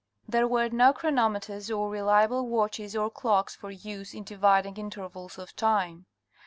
There were no chronometers or reliable watches or clocks for use in dividing intervals of time.